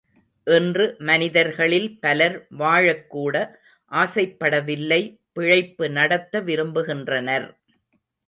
இன்று மனிதர்களில் பலர் வாழக் கூட ஆசைப்படவில்லை பிழைப்பு நடத்த விரும்புகின்றனர்.